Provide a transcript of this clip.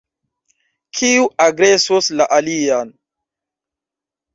Kiu agresos la alian?